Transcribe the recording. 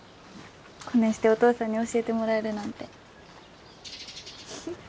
こねんしてお父さんに教えてもらえるなんて。